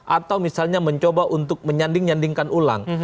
atau misalnya mencoba untuk menyanding nyandingkan ulang